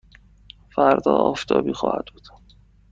فردا آفتابی خواهد بود.